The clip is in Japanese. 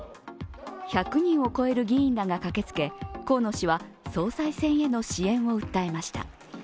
１００人を超える議員らが駆けつけ河野氏は総裁選への支援を訴えました。